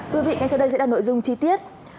quý vị ngay sau đây sẽ là nội dung chi tiết